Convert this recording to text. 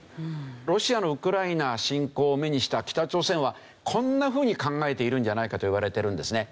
ロシアのウクライナ侵攻を目にした北朝鮮はこんなふうに考えているんじゃないかといわれてるんですね。